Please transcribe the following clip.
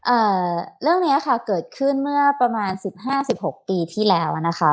เอ่อเรื่องนี้ค่ะเกิดขึ้นเมื่อประมาณ๑๕๑๖ปีที่แล้วนะคะ